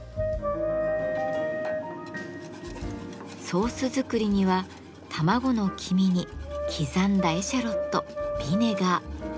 ソース作りには卵の黄身に刻んだエシャロットビネガー。